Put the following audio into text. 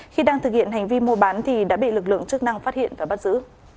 khi đang thực hiện hành vi mua bán thì đã bị lực lượng chức năng phát hiện và bắt giữ